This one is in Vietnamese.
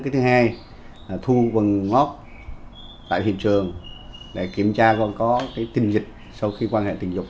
thứ hai là thu quần móc tại hiện trường để kiểm tra con có cái tình dịch sau khi quan hệ tình dục